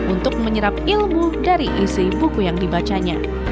untuk menyerap ilmu dari isi buku yang dibacanya